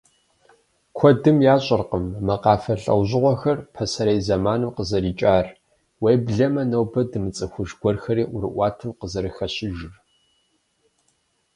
Куэдым ящӏэркъым мы къафэ лӏэужьыгъуэхэр пасэрей зэманым къызэрикӏар, уеблэмэ нобэ дымыцӏыхуж гуэрхэри ӏуэрыӏуатэм къызэрыхэщыжыр.